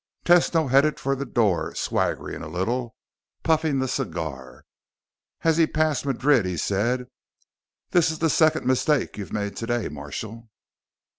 Tesno headed for the door, swaggering a little, puffing the cigar. As he passed Madrid, he said, "This is the second mistake you've made today, Marshal."